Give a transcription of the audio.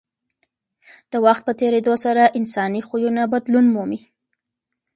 د وخت په تېرېدو سره انساني خویونه بدلون مومي.